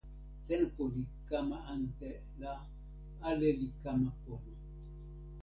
tenpo li kama ante la ale li kama pona.